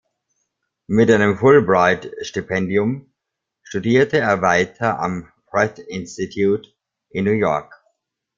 Mit einem Fulbright-Stipendium studierte er weiter am Pratt Institute in New York.